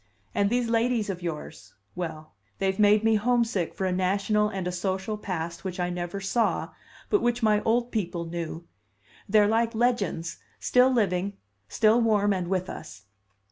And these ladies of yours well, they have made me homesick for a national and a social past which I never saw, but which my old people knew. They're like legends, still living, still warm and with us.